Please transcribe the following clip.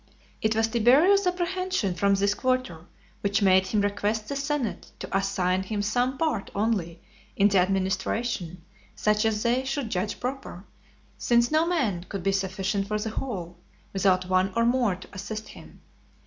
It was Tiberius's apprehension from this quarter, which made him request the senate to assign him some part only in the administration, such as they should judge proper, since no man could be sufficient for the whole, without one or more to assist him.